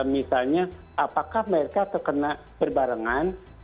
misalnya apakah mereka terkena berbarengan